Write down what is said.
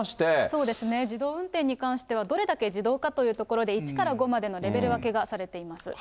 そうですね、自動運転に関しては、どれだけ自動化というところで、１から５までのレベル分けがされています。